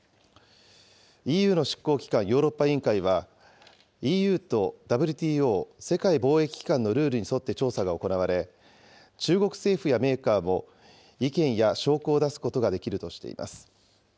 ＥＵの執行機関、ヨーロッパ委員会は、ＥＵとＷＴＯ・世界貿易機関のルールに沿って調査が行われ、中国政府やメーカーも意見や証拠を出すことができるとしています。